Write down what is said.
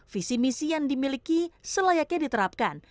visi misi yang dimiliki selayaknya diterapkan